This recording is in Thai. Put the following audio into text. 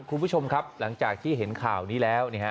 คุณผู้ชมครับหลังจากที่เห็นข่าวนี้แล้ว